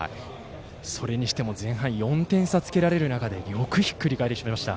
それにしても前半４点差つけられる中でよくひっくり返しました。